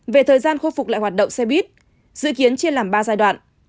về thời gian khôi phục lại hoạt động xe buýt dự kiến chia làm ba giai đoạn